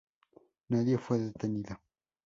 Nadie fue detenido.